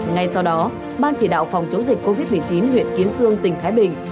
ngay sau đó ban chỉ đạo phòng chống dịch covid một mươi chín huyện kiến sương tỉnh thái bình